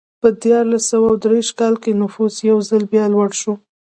په دیارلس سوه دېرش کال کې نفوس یو ځل بیا لوړ شو.